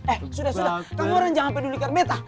eh sudah sudah kamu orang jangan peduli karena betta